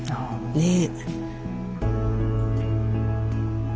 ねえ。